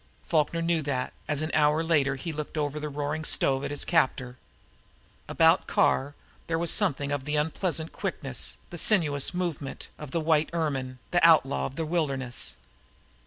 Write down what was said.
Falkner knew that, as an hour later he looked over the roaring stove at his captor. About Carr there was something of the unpleasant quickness, the sinuous movement, of the little white ermine the outlaw of the wilderness.